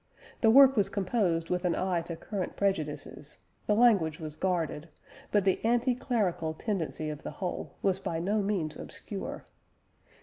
The work was composed with an eye to current prejudices; the language was guarded, but the anti clerical tendency of the whole was by no means obscure.